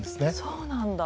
そうなんだ。